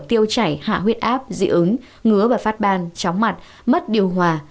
tiêu chảy hạ huyết áp dị ứng ngứa và phát ban chóng mặt mất điều hòa